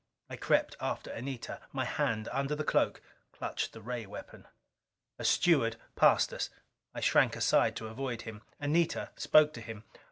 I crept after Anita; my hand under the cloak clutched the ray weapon. A steward passed us. I shrank aside to avoid him. Anita spoke to him.